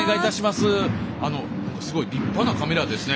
すごい立派なカメラですね。